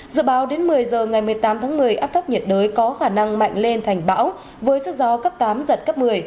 dự báo đến một mươi giờ ngày một mươi tám tháng một mươi áp thấp nhiệt đới có khả năng mạnh lên thành bão với sức gió cấp tám giật cấp một mươi